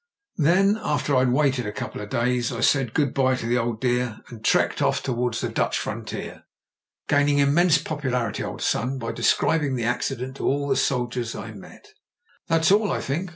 "Then, after Fd waited a couple of days, I said 152 MEN, WOMEN AND GUNS good bye to the old dear and trekked off towards the Dutch frontier, gaining immense popularity, old son, by describing the accident to all the soldiers I met "That*s all, I think.